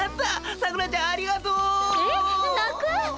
さくらちゃんありがとう。えっ？なく！？